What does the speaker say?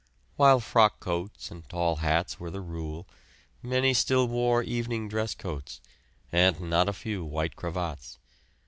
While frock coats and tall hats were the rule, many still wore evening dress coats, and not a few white cravats.